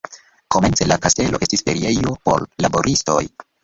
Komence la kastelo estis feriejo por laboristoj.